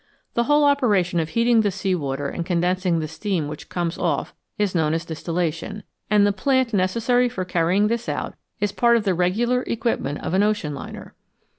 The whole operation of heating the sea water and condensing the steam which comes off is known as distillation, and the plant necessary for carrying this out is part of the regular equipment of an ocean liner.